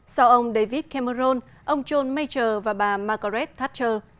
sau ông david cameron ông john major và bà margaret thatcher